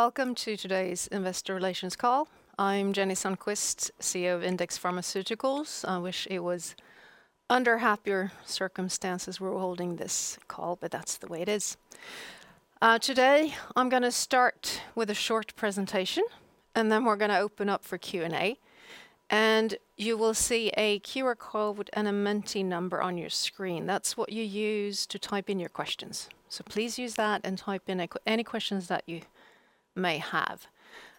Welcome to today's investor relations call. I'm Jenny Sundqvist, CEO of InDex Pharmaceuticals. I wish it was under happier circumstances we're holding this call, but that's the way it is. Today I'm gonna start with a short presentation, and then we're gonna open up for Q&A, and you will see a QR code with a Menti number on your screen. That's what you use to type in your questions. So please use that and type in any questions that you may have,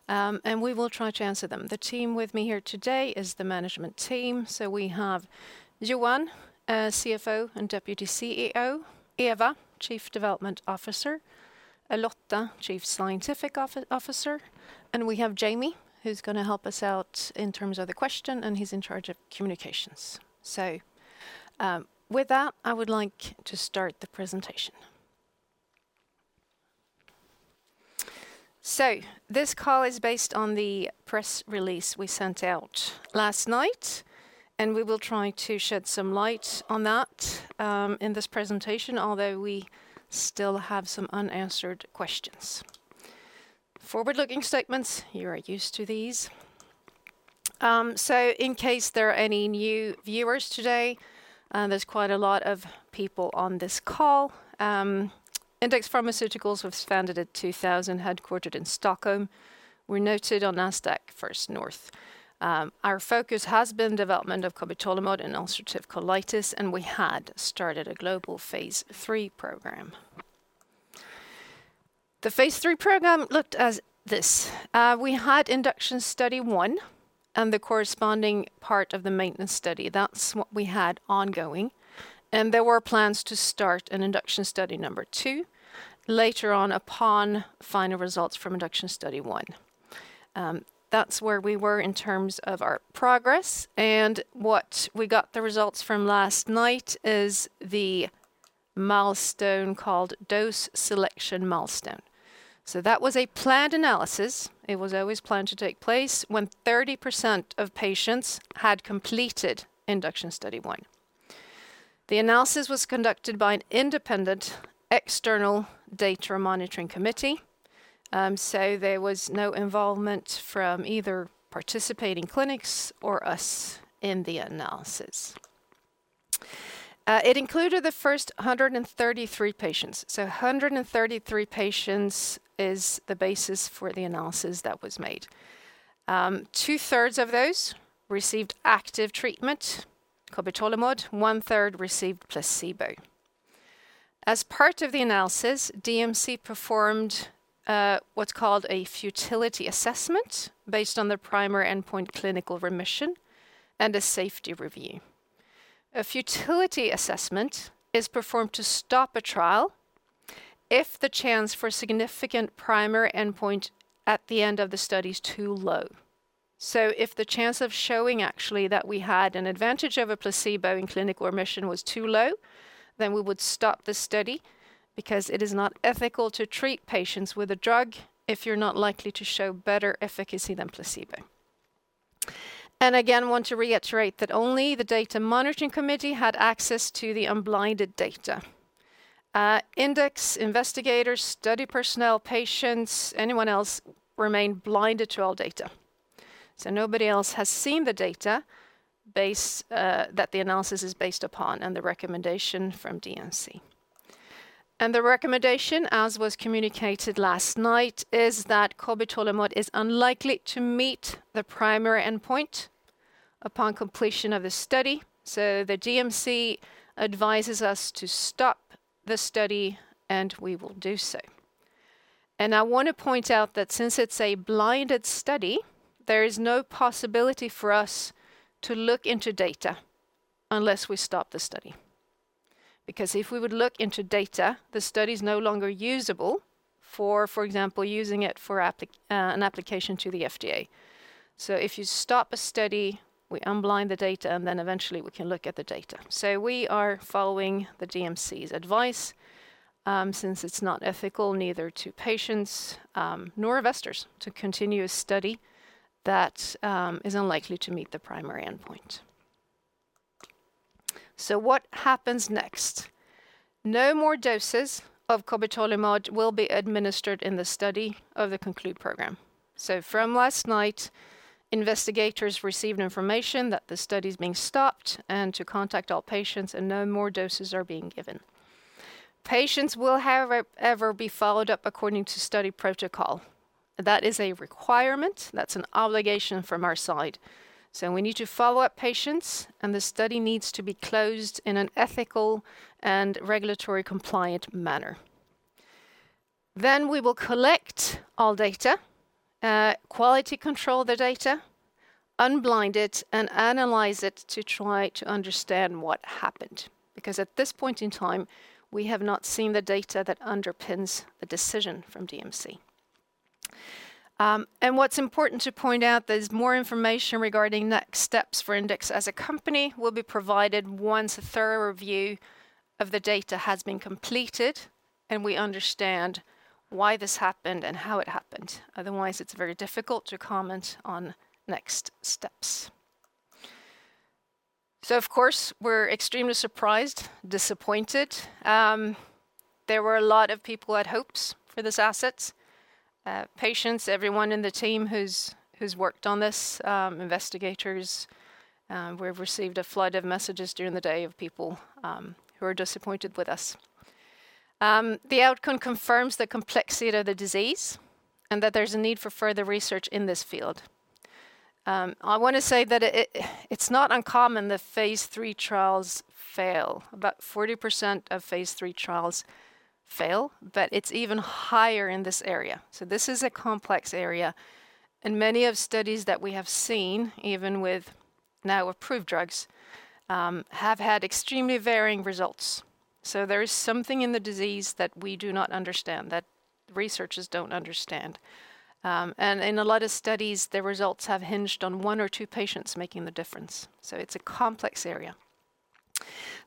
and we will try to answer them. The team with me here today is the management team. So we have Johan, CFO and Deputy CEO; Eva, Chief Development Officer; Lotta, Chief Scientific Officer; and we have Jamie, who's gonna help us out in terms of the question, and he's in charge of communications. With that, I would like to start the presentation. This call is based on the press release we sent out last night, and we will try to shed some light on that, in this presentation, although we still have some unanswered questions. Forward-looking statements, you are used to these. So in case there are any new viewers today, there's quite a lot of people on this call. InDex Pharmaceuticals was founded in 2000, headquartered in Stockholm. We're listed on Nasdaq First North. Our focus has been development of cobitolimod in ulcerative colitis, and we had started a global phase III program. The phase III program looked like this: we had induction study one and the corresponding part of the maintenance study. That's what we had ongoing, and there were plans to start an induction study number 2 later on upon final results from induction study one. That's where we were in terms of our progress, and what we got the results from last night is the milestone called dose selection milestone. So that was a planned analysis. It was always planned to take place when 30% of patients had completed induction study one. The analysis was conducted by an independent external data monitoring committee, so there was no involvement from either participating clinics or us in the analysis. It included the first 133 patients, so 133 patients is the basis for the analysis that was made. Two-thirds of those received active treatment, cobitolimod. One-third received placebo. As part of the analysis, DMC performed what's called a futility assessment based on the primary endpoint, clinical remission, and a safety review. A futility assessment is performed to stop a trial if the chance for significant primary endpoint at the end of the study is too low. So if the chance of showing actually that we had an advantage over placebo in clinical remission was too low, then we would stop the study because it is not ethical to treat patients with a drug if you're not likely to show better efficacy than placebo. And again, I want to reiterate that only the Data Monitoring Committee had access to the unblinded data. InDex investigators, study personnel, patients, anyone else, remained blinded to all data. So nobody else has seen the database that the analysis is based upon and the recommendation from DMC. The recommendation, as was communicated last night, is that cobitolimod is unlikely to meet the primary endpoint upon completion of the study. So the DMC advises us to stop the study, and we will do so. And I want to point out that since it's a blinded study, there is no possibility for us to look into data unless we stop the study. Because if we would look into data, the study is no longer usable for, for example, using it for application to the FDA. So if you stop a study, we unblind the data, and then eventually we can look at the data. So we are following the DMC's advice, since it's not ethical, neither to patients, nor investors, to continue a study that is unlikely to meet the primary endpoint. So what happens next? No more doses of cobitolimod will be administered in the study of the CONCLUDE program. So from last night, investigators received information that the study is being stopped and to contact all patients, and no more doses are being given. Patients will, however, ever be followed up according to study protocol. That is a requirement. That's an obligation from our side. So we need to follow up patients, and the study needs to be closed in an ethical and regulatory compliant manner. Then we will collect all data, quality control the data, unblind it, and analyze it to try to understand what happened, because at this point in time, we have not seen the data that underpins the decision from DMC. What's important to point out, there's more information regarding next steps for InDex as a company will be provided once a thorough review of the data has been completed and we understand why this happened and how it happened. Otherwise, it's very difficult to comment on next steps. So of course, we're extremely surprised, disappointed. There were a lot of people who had hopes for this assets. Patients, everyone in the team who's worked on this, investigators, we've received a flood of messages during the day of people who are disappointed with us. The outcome confirms the complexity of the disease, and that there's a need for further research in this field. I wanna say that it, it's not uncommon that phase III trials fail. About 40% of phase III trials fail, but it's even higher in this area. So this is a complex area, and many of studies that we have seen, even with now approved drugs, have had extremely varying results. So there is something in the disease that we do not understand, that researchers don't understand. And in a lot of studies, the results have hinged on one or two patients making the difference. So it's a complex area.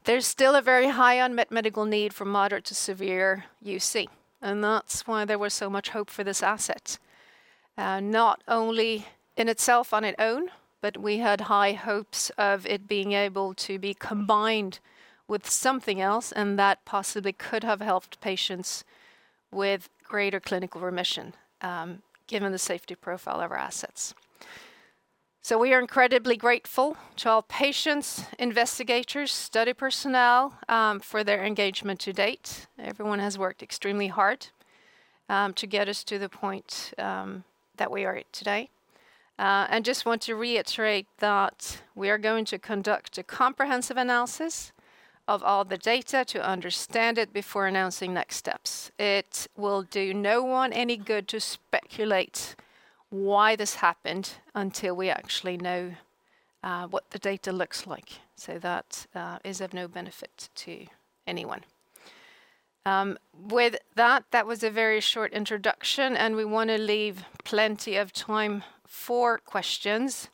There's still a very high unmet medical need for moderate to severe UC, and that's why there was so much hope for this asset. Not only in itself on its own, but we had high hopes of it being able to be combined with something else, and that possibly could have helped patients with greater clinical remission, given the safety profile of our assets. So we are incredibly grateful to all patients, investigators, study personnel, for their engagement to date. Everyone has worked extremely hard to get us to the point that we are at today. And just want to reiterate that we are going to conduct a comprehensive analysis of all the data to understand it before announcing next steps. It will do no one any good to speculate why this happened until we actually know what the data looks like. So that is of no benefit to anyone. With that, that was a very short introduction, and we wanna leave plenty of time for questions.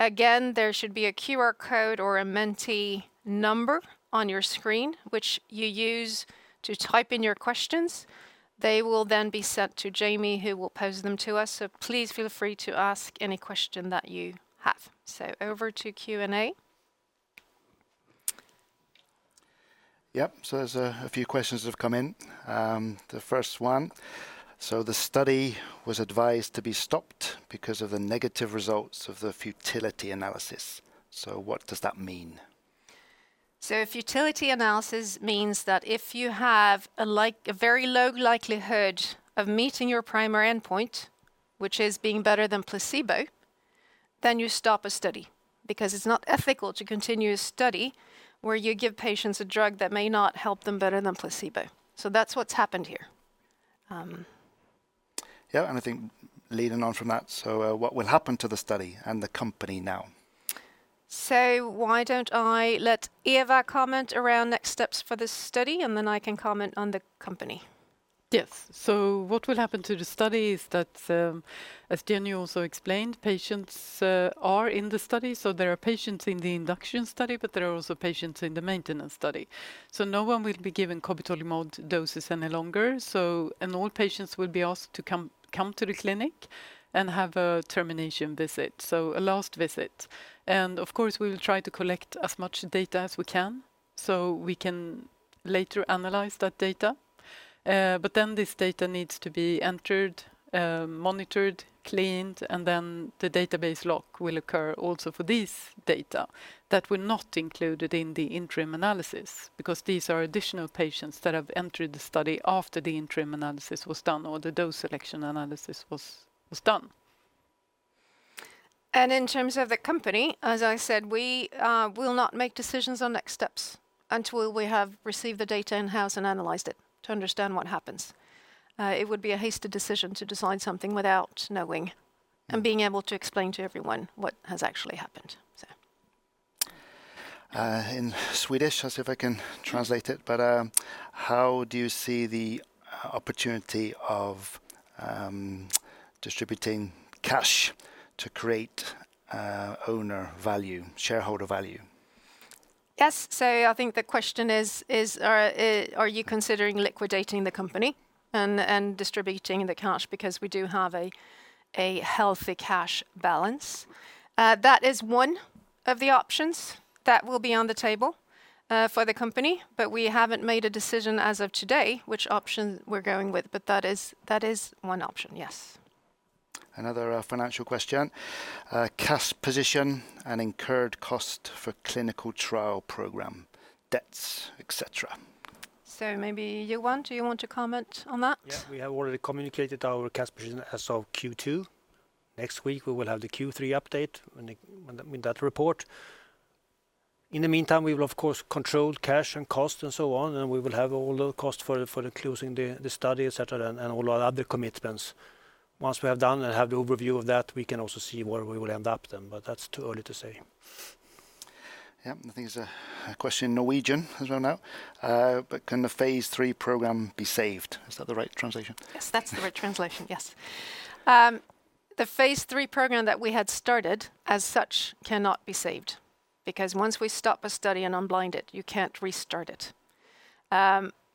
Again, there should be a QR code or a Menti number on your screen, which you use to type in your questions. They will then be sent to Jamie, who will pose them to us. Please feel free to ask any question that you have. Over to Q&A. Yep. So there's a few questions that have come in. The first one: "So the study was advised to be stopped because of the negative results of the futility analysis. So what does that mean? So a futility analysis means that if you have a like a very low likelihood of meeting your primary endpoint, which is being better than placebo, then you stop a study, because it's not ethical to continue a study where you give patients a drug that may not help them better than placebo. So that's what's happened here. Yeah, and I think leading on from that, "So, what will happen to the study and the company now? Why don't I let Eva comment around next steps for this study, and then I can comment on the company. Yes. So what will happen to the study is that, as Jenny also explained, patients are in the study, so there are patients in the induction study, but there are also patients in the maintenance study. So no one will be given cobitolimod doses any longer, and all patients will be asked to come to the clinic and have a termination visit, so a last visit. And of course, we will try to collect as much data as we can, so we can later analyze that data. But then this data needs to be entered, monitored, cleaned, and then the database lock will occur also for this data that were not included in the interim analysis. Because these are additional patients that have entered the study after the interim analysis was done or the dose selection analysis was done. In terms of the company, as I said, we will not make decisions on next steps until we have received the data in-house and analyzed it to understand what happens. It would be a hasty decision to decide something without knowing- Mm... and being able to explain to everyone what has actually happened, so. In Swedish, I'll see if I can translate it. But, "How do you see the opportunity of distributing cash to create owner value, shareholder value? Yes. So I think the question is, are you considering liquidating the company and distributing the cash? Because we do have a healthy cash balance. That is one of the options that will be on the table for the company, but we haven't made a decision as of today, which option we're going with, but that is one option, yes. Another financial question. "Cash position and incurred cost for clinical trial program, debts, et cetera. So maybe, Johan, do you want to comment on that? Yeah, we have already communicated our cash position as of Q2. Next week, we will have the Q3 update with that report. In the meantime, we will, of course, control cash and cost and so on, and we will have all the cost for closing the study, et cetera, and all our other commitments. Once we have done and have the overview of that, we can also see where we will end up then, but that's too early to say. Yeah. I think there's a question in Norwegian as well now. "But can the phase III program be saved?" Is that the right translation? Yes, that's the right translation, yes. The phase III program that we had started, as such, cannot be saved, because once we stop a study and unblind it, you can't restart it....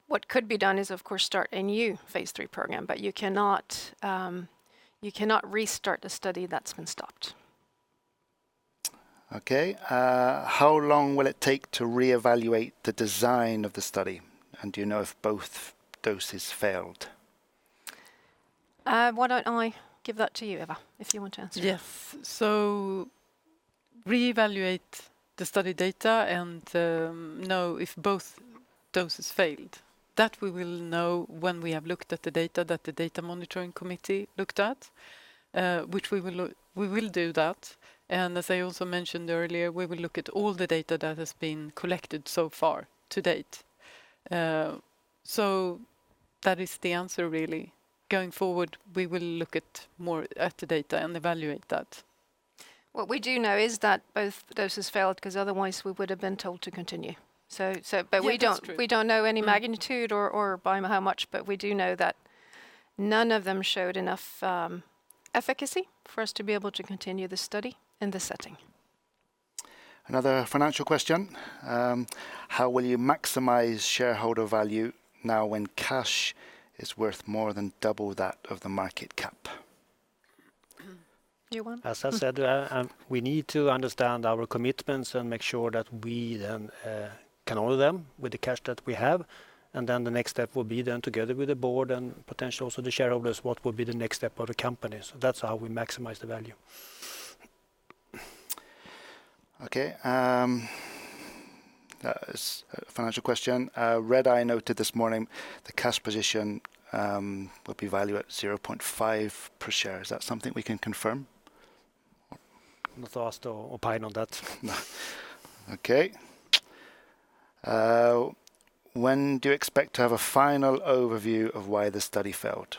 What could be done is, of course, start a new phase III program, but you cannot, you cannot restart a study that's been stopped. Okay. How long will it take to reevaluate the design of the study? And do you know if both doses failed? Why don't I give that to you, Eva, if you want to answer it? Yes. So reevaluate the study data and know if both doses failed, that we will know when we have looked at the data that the Data Monitoring Committee looked at, which we will do that. And as I also mentioned earlier, we will look at more at the data and evaluate that. What we do know is that both doses failed because otherwise we would have been told to continue. Yes, that's true.... but we don't know any magnitude or by how much, but we do know that none of them showed enough efficacy for us to be able to continue the study in this setting. Another financial question. How will you maximize shareholder value now when cash is worth more than double that of the market cap? Do you want- As I said, we need to understand our commitments and make sure that we then can honor them with the cash that we have, and then the next step will be, together with the board and potentially also the shareholders, what will be the next step of the company. So that's how we maximize the value. Okay, financial question. Redeye noted this morning the cash position will be valued at 0.5 per share. Is that something we can confirm? Not asked or opine on that. Okay. When do you expect to have a final overview of why the study failed?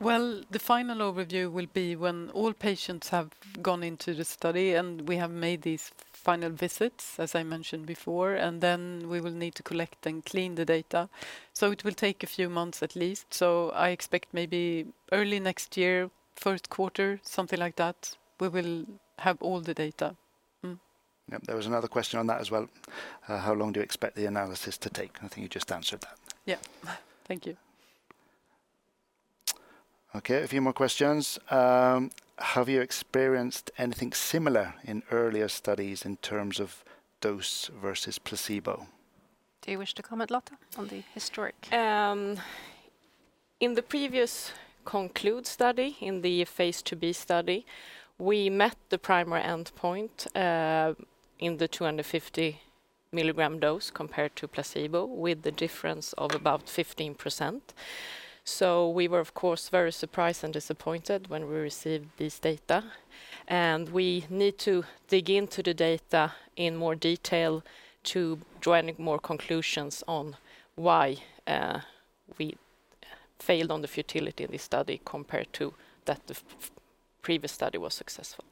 Well, the final overview will be when all patients have gone into the study, and we have made these final visits, as I mentioned before, and then we will need to collect and clean the data. So it will take a few months at least. So I expect maybe early next year, first quarter, something like that, we will have all the data. Yep. There was another question on that as well. How long do you expect the analysis to take? I think you just answered that. Yeah. Thank you. Okay, a few more questions. Have you experienced anything similar in earlier studies in terms of dose versus placebo? Do you wish to comment, Lotta, on the historic? In the previous CONDUCT study, in the phase IIb study, we met the primary endpoint in the 250 mg dose compared to placebo, with the difference of about 15%. So we were, of course, very surprised and disappointed when we received this data, and we need to dig into the data in more detail to drawing more conclusions on why we failed on the futility of this study compared to that the previous study was successful.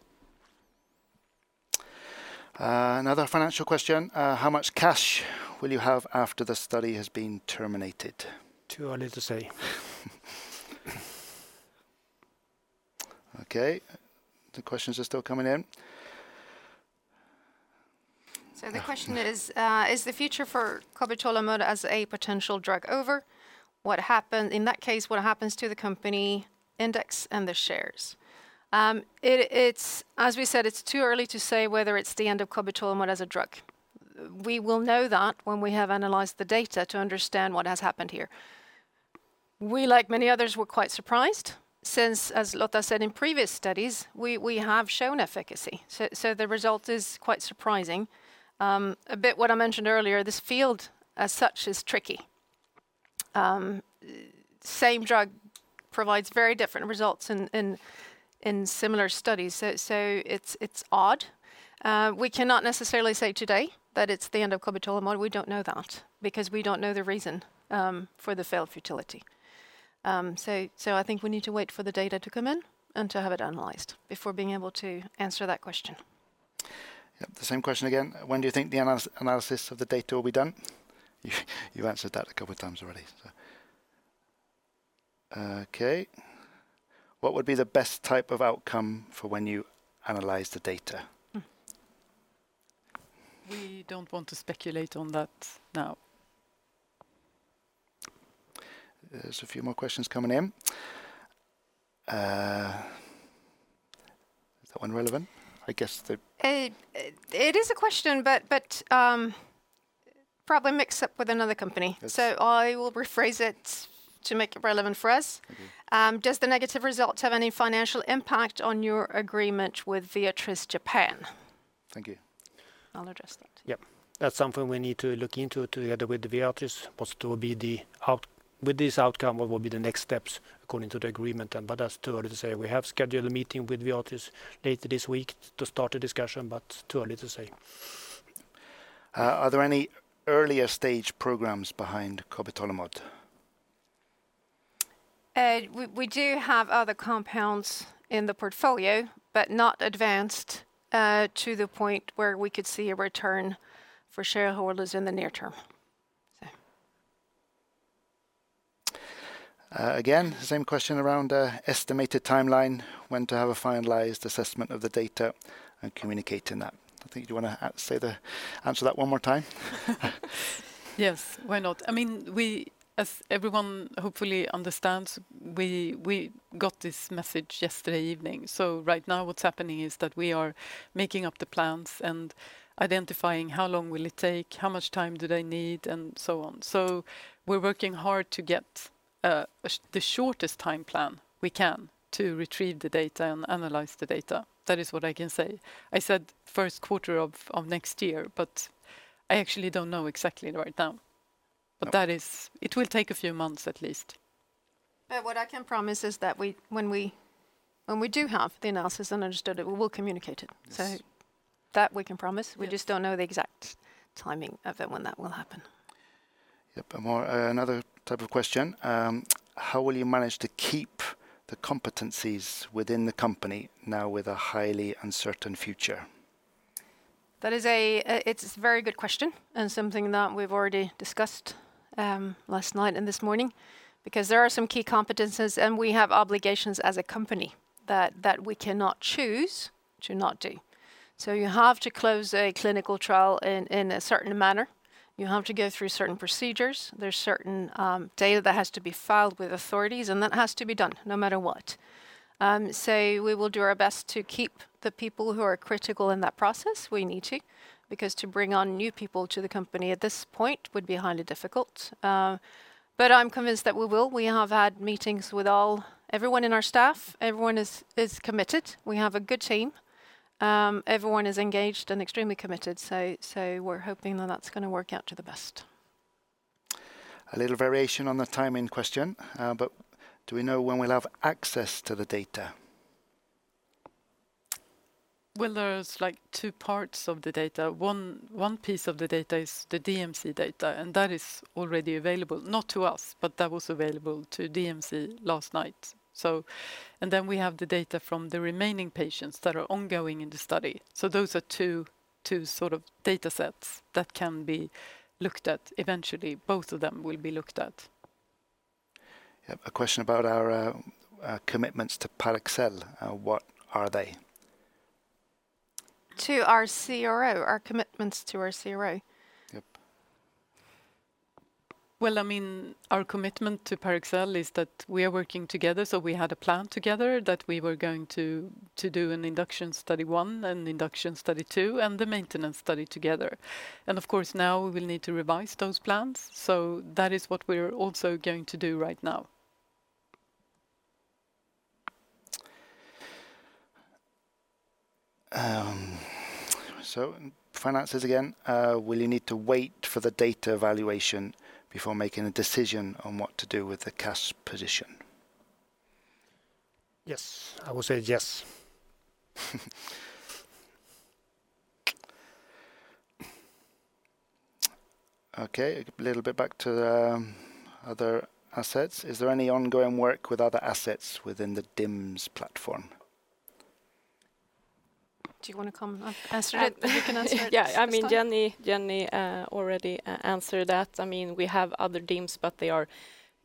Another financial question: how much cash will you have after the study has been terminated? Too early to say. Okay, the questions are still coming in. So the question is, is the future for cobitolimod as a potential drug over? What happened? In that case, what happens to the company InDex and the shares? It's as we said, it's too early to say whether it's the end of cobitolimod as a drug. We will know that when we have analyzed the data to understand what has happened here. We, like many others, were quite surprised, since, as Lotta said in previous studies, we have shown efficacy. So the result is quite surprising. A bit what I mentioned earlier, this field as such is tricky. Same drug provides very different results in similar studies. So it's odd. We cannot necessarily say today that it's the end of cobitolimod. We don't know that because we don't know the reason for the failed futility. I think we need to wait for the data to come in and to have it analyzed before being able to answer that question. Yep. The same question again. When do you think the analysis of the data will be done? You've answered that a couple of times already, so... Okay, what would be the best type of outcome for when you analyze the data? Mm. We don't want to speculate on that now. There's a few more questions coming in. Is that one relevant? I guess the- It is a question, but probably mixed up with another company. Yes. I will rephrase it to make it relevant for us. Thank you. Does the negative result have any financial impact on your agreement with Viatris Japan? Thank you. I'll address that. Yep. That's something we need to look into together with the Viatris, what will be the outcome. With this outcome, what will be the next steps according to the agreement, but that's too early to say. We have scheduled a meeting with Viatris later this week to start a discussion, but too early to say. Are there any earlier stage programs behind cobitolimod? We do have other compounds in the portfolio, but not advanced to the point where we could see a return for shareholders in the near term.... Again, the same question around estimated timeline, when to have a finalized assessment of the data and communicating that. I think you wanna say the answer that one more time? Yes, why not? I mean, we as everyone hopefully understands, we got this message yesterday evening. So right now, what's happening is that we are making up the plans and identifying how long will it take, how much time do they need, and so on. So we're working hard to get the shortest time plan we can to retrieve the data and analyze the data. That is what I can say. I said first quarter of next year, but I actually don't know exactly right now. No. But that is... It will take a few months at least. But what I can promise is that when we do have the analysis and understood it, we will communicate it. Yes. So that we can promise. Yeah. We just don't know the exact timing of when that will happen. Yep. And more, another type of question. How will you manage to keep the competencies within the company now with a highly uncertain future? That is a. It's a very good question, and something that we've already discussed last night and this morning, because there are some key competencies, and we have obligations as a company that, that we cannot choose to not do. So you have to close a clinical trial in, in a certain manner. You have to go through certain procedures. There's certain data that has to be filed with authorities, and that has to be done no matter what. So we will do our best to keep the people who are critical in that process. We need to, because to bring on new people to the company at this point would be highly difficult. But I'm convinced that we will. We have had meetings with all... everyone in our staff. Everyone is, is committed. We have a good team. Everyone is engaged and extremely committed, so we're hoping that that's gonna work out to the best. A little variation on the timing question, but do we know when we'll have access to the data? Well, there's, like, two parts of the data. One piece of the data is the DMC data, and that is already available, not to us, but that was available to DMC last night, so. And then we have the data from the remaining patients that are ongoing in the study. So those are two sort of data sets that can be looked at. Eventually, both of them will be looked at. Yep. A question about our commitments to Parexel. What are they? To our CRO, our commitments to our CRO? Yep. Well, I mean, our commitment to Parexel is that we are working together, so we had a plan together that we were going to, to do an induction study one and induction study two, and the maintenance study together. And of course, now we will need to revise those plans, so that is what we're also going to do right now. Finances again. Will you need to wait for the data evaluation before making a decision on what to do with the cash position? Yes. I would say yes. Okay, a little bit back to the other assets. Is there any ongoing work with other assets within the DIMS platform? Do you wanna come up answer that? You can answer it this time. Yeah, I mean, Jenny, Jenny, already answered that. I mean, we have other DIMS, but they are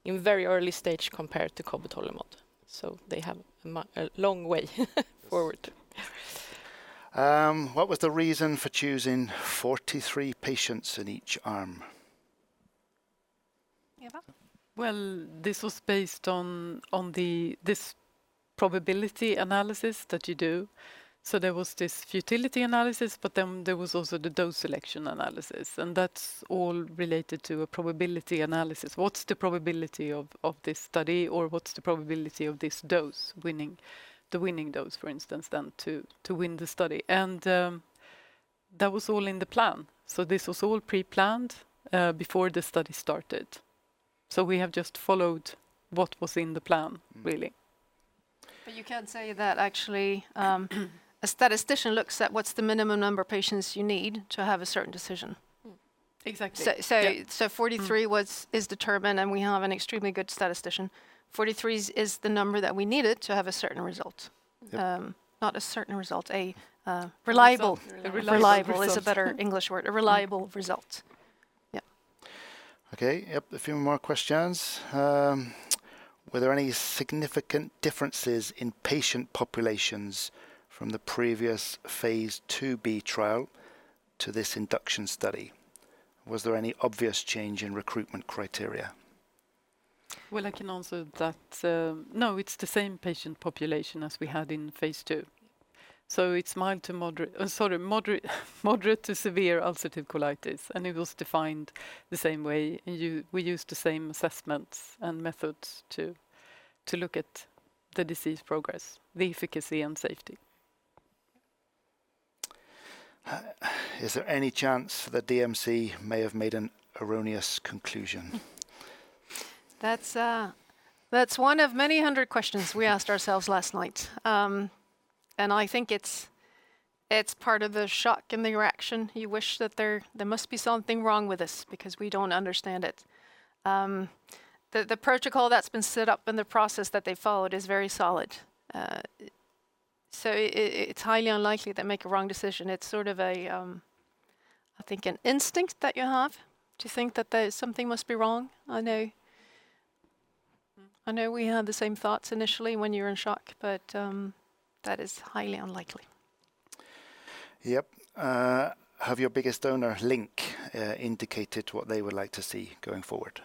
in very early stage compared to cobitolimod, so they have a long way forward. Yes. What was the reason for choosing 43 patients in each arm? Eva? Well, this was based on this probability analysis that you do. So there was this futility analysis, but then there was also the dose selection analysis, and that's all related to a probability analysis. What's the probability of this study, or what's the probability of this dose winning? The winning dose, for instance, then to win the study. And that was all in the plan. So this was all pre-planned before the study started. So we have just followed what was in the plan, really. Mm-hmm. But you can say that actually, a statistician looks at what's the minimum number of patients you need to have a certain decision. Mm-hmm. Exactly. So, so- Yeah. so 43 was- Mm... is determined, and we have an extremely good statistician. 43 is the number that we needed to have a certain result. Yep. Not a certain result, reliable- Result... reliable- A reliable result. That's a better English word. A reliable result. Yep. Okay, yep, a few more questions. Were there any significant differences in patient populations from the previous phase IIb trial to this induction study? Was there any obvious change in recruitment criteria? Well, I can answer that. No, it's the same patient population as we had in phase two. So it's moderate to severe ulcerative colitis, and it was defined the same way. We used the same assessments and methods to look at the disease progress, the efficacy and safety. Is there any chance that DMC may have made an erroneous conclusion? That's, that's one of many hundred questions we asked ourselves last night. And I think it's, it's part of the shock and the reaction. You wish that there must be something wrong with this because we don't understand it. The protocol that's been set up and the process that they followed is very solid. So it's highly unlikely they make a wrong decision. It's sort of a I think an instinct that you have to think that there something must be wrong. I know, I know we had the same thoughts initially when you're in shock, but that is highly unlikely. Yep. Have your biggest donor, Linc, indicated what they would like to see going forward?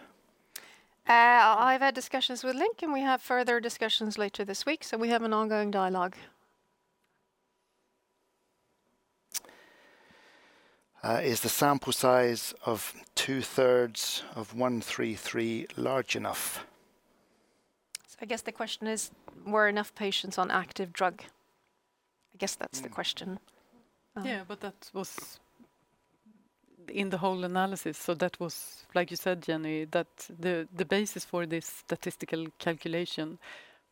I've had discussions with Linc, and we have further discussions later this week, so we have an ongoing dialogue. Is the sample size of 2/3 of 133 large enough? I guess the question is, were enough patients on active drug? I guess that's the question. Yeah, but that was in the whole analysis. So that was, like you said, Jenny, that the basis for this statistical calculation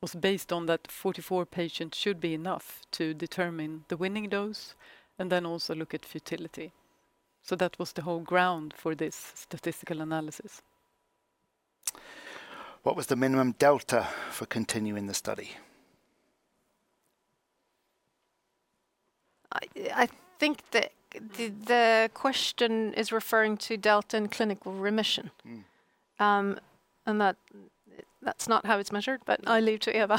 was based on that 44 patients should be enough to determine the winning dose and then also look at futility. So that was the whole ground for this statistical analysis. What was the minimum delta for continuing the study? I think the question is referring to delta in clinical remission. Mm. And that, that's not how it's measured, but I leave to Eva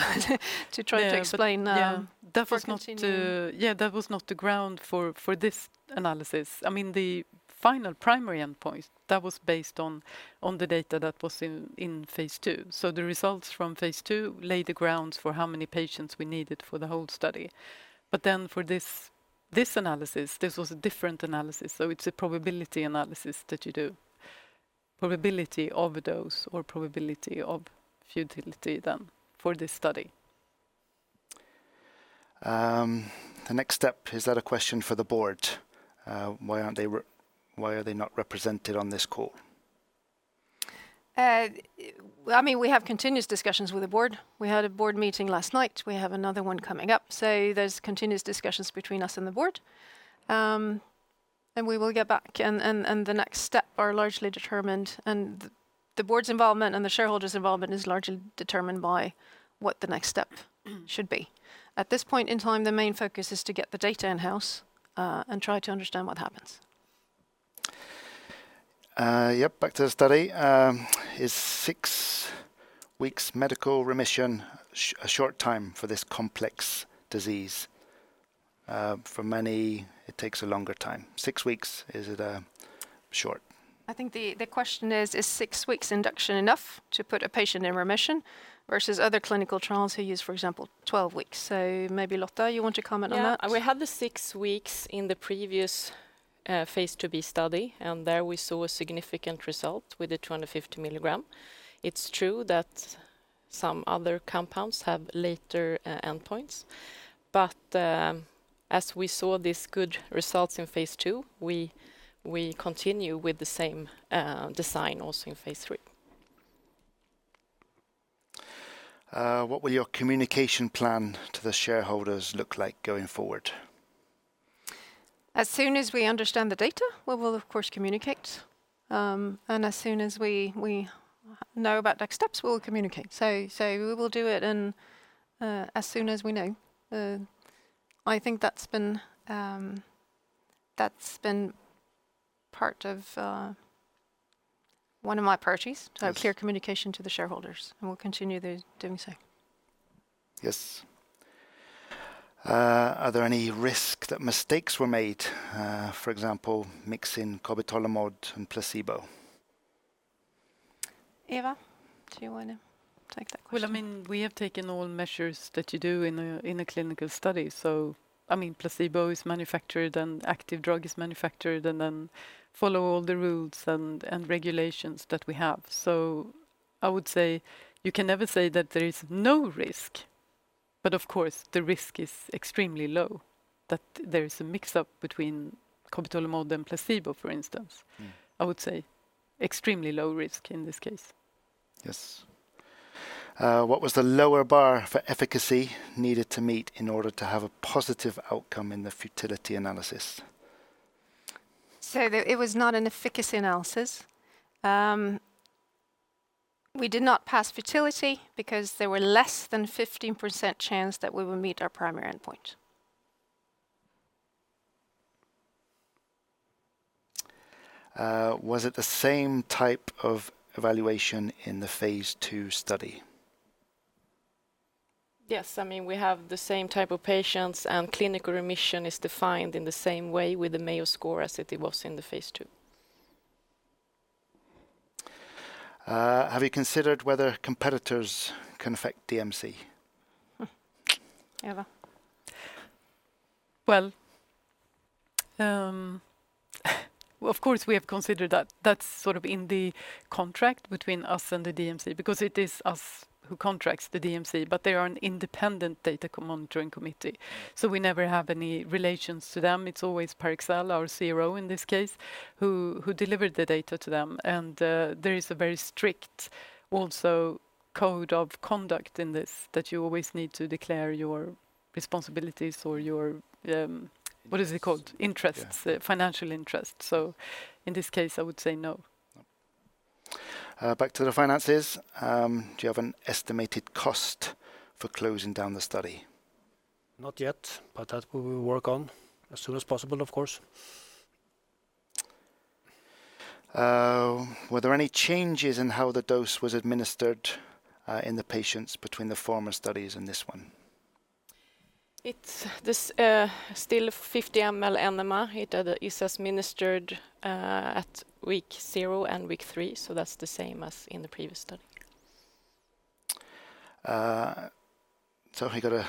to try to explain. Yeah. For continuing. That was not the ground for this analysis. I mean, the final primary endpoint, that was based on the data that was in phase two. So the results from phase two lay the grounds for how many patients we needed for the whole study. But then for this analysis, this was a different analysis, so it's a probability analysis that you do. Probability of a dose or probability of futility then for this study. The next step, is that a question for the board? Why are they not represented on this call? I mean, we have continuous discussions with the board. We had a board meeting last night. We have another one coming up. So there's continuous discussions between us and the board. We will get back, the next step are largely determined. The board's involvement and the shareholders' involvement is largely determined by what the next step should be. At this point in time, the main focus is to get the data in-house, and try to understand what happens. Yep, back to the study. Is six weeks clinical remission a short time for this complex disease? For many, it takes a longer time. Six weeks, is it short? I think the question is: Is six weeks induction enough to put a patient in remission versus other clinical trials who use, for example, twelve weeks? So maybe, Lotta, you want to comment on that? Yeah. We had the six weeks in the previous phase 2B study, and there we saw a significant result with the 250 milligram. It's true that some other compounds have later endpoints, but as we saw these good results in phase 2, we continue with the same design also in phase 3. What will your communication plan to the shareholders look like going forward? As soon as we understand the data, we will, of course, communicate. And as soon as we know about next steps, we will communicate. So we will do it in as soon as we know. I think that's been part of one of my priorities- Yes... so clear communication to the shareholders, and we'll continue doing so. Yes. Are there any risk that mistakes were made, for example, mixing cobitolimod and placebo? Eva, do you want to take that question? Well, I mean, we have taken all measures that you do in a clinical study. So, I mean, placebo is manufactured and active drug is manufactured, and then follow all the rules and regulations that we have. So I would say you can never say that there is no risk, but of course, the risk is extremely low, that there is a mix-up between cobitolimod and placebo, for instance. Mm. I would say extremely low risk in this case. Yes. What was the lower bar for efficacy needed to meet in order to have a positive outcome in the futility analysis? So the... It was not an efficacy analysis. We did not pass futility because there were less than 15% chance that we would meet our primary endpoint. Was it the same type of evaluation in the phase 2 study? Yes. I mean, we have the same type of patients, and clinical remission is defined in the same way with the Mayo Score as it was in the phase 2. Have you considered whether competitors can affect DMC? Eva. Well, of course, we have considered that. That's sort of in the contract between us and the DMC, because it is us who contracts the DMC, but they are an independent Data Monitoring Committee. So we never have any relations to them. It's always Parexel, our CRO in this case, who delivered the data to them. And there is a very strict code of conduct in this, that you always need to declare your responsibilities or your, what is it called? Interests- Yeah... financial interests. So in this case, I would say no. ... back to the finances. Do you have an estimated cost for closing down the study? Not yet, but that we will work on as soon as possible, of course. Were there any changes in how the dose was administered, in the patients between the former studies and this one? It's this still 50 ml enema. It is administered at week 0 and week 3, so that's the same as in the previous study. So I gotta...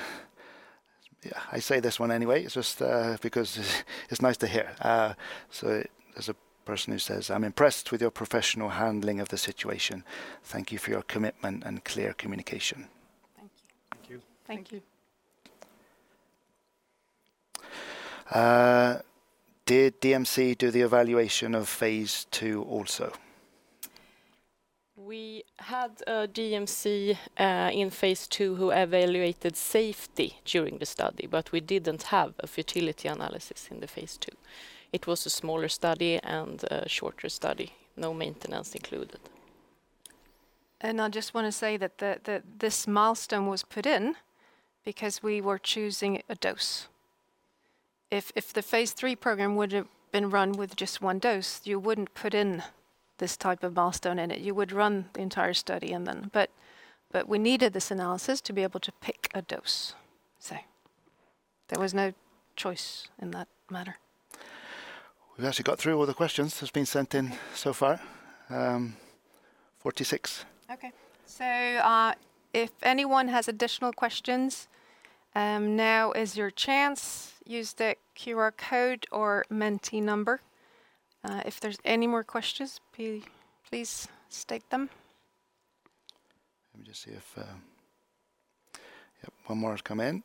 Yeah, I say this one anyway, it's just because it's nice to hear. So there's a person who says, "I'm impressed with your professional handling of the situation. Thank you for your commitment and clear communication. Thank you. Thank you. Thank you. Did DMC do the evaluation of phase two also? We had a DMC in phase II that evaluated safety during the study, but we didn't have a futility analysis in the phase II. It was a smaller study and a shorter study. No maintenance included. I just want to say that this milestone was put in because we were choosing a dose. If the phase three program would have been run with just one dose, you wouldn't put in this type of milestone in it. You would run the entire study and then... But we needed this analysis to be able to pick a dose. So there was no choice in that matter. We've actually got through all the questions that's been sent in so far. 46. Okay. So, if anyone has additional questions, now is your chance. Use the QR code or Menti number. If there's any more questions, please state them. Let me just see if... Yep, one more has come in.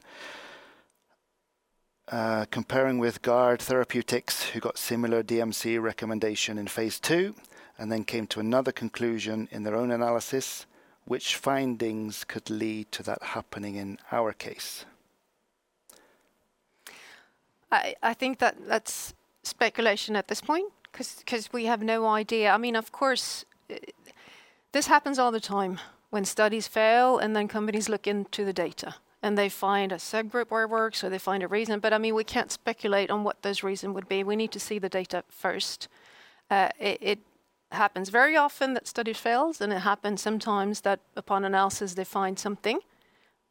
Comparing with Guard Therapeutics, who got similar DMC recommendation in phase 2 and then came to another conclusion in their own analysis, which findings could lead to that happening in our case? I think that's speculation at this point, 'cause we have no idea. I mean, of course, this happens all the time when studies fail, and then companies look into the data, and they find a subgroup where it works, or they find a reason. But, I mean, we can't speculate on what those reasons would be. We need to see the data first. It happens very often that study fails, and it happens sometimes that upon analysis, they find something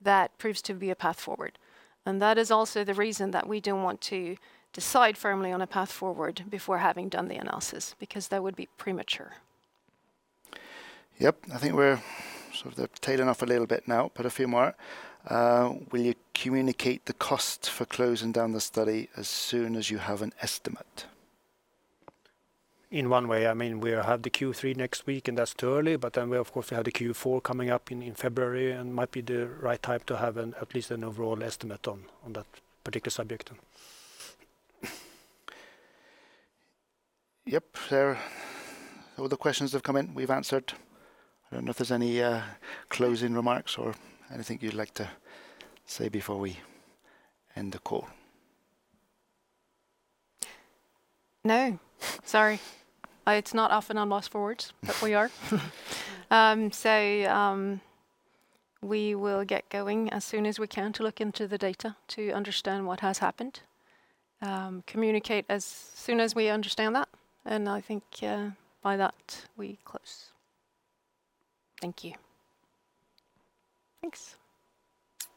that proves to be a path forward. And that is also the reason that we don't want to decide firmly on a path forward before having done the analysis, because that would be premature. Yep. I think we're sort of tailing off a little bit now, but a few more. Will you communicate the cost for closing down the study as soon as you have an estimate? In one way, I mean, we have the Q3 next week, and that's too early, but then we of course have the Q4 coming up in February, and might be the right time to have at least an overall estimate on that particular subject. Yep. There... All the questions have come in, we've answered. I don't know if there's any closing remarks or anything you'd like to say before we end the call. No. Sorry. It's not often I'm lost for words, but we are. So, we will get going as soon as we can to look into the data to understand what has happened. Communicate as soon as we understand that, and I think, by that, we close. Thank you. Thanks.